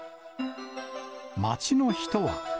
街の人は。